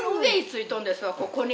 ここに。